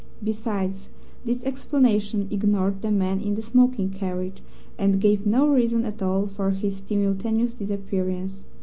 Besides, this explanation ignored the man in the smoking carriage, and gave no reason at all for his simultaneous disappearance.